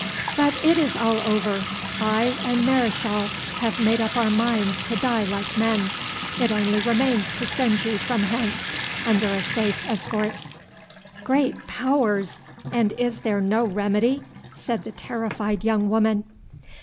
But it is all over, I and Mareschal have made up our minds to die like men; it only remains to send you from hence under a safe escort." "Great powers! and is there no remedy?" said the terrified young woman.